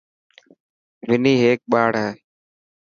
وني هيڪ ٻاڙ هي.